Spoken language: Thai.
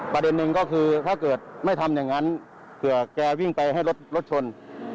ประเด็นหนึ่งก็คือถ้าเกิดไม่ทำอย่างนั้นเผื่อแกวิ่งไปให้รถชน